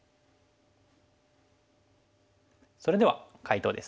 それでは解答です。